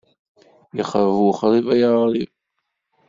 Yexreb wexrib ay aɣrib.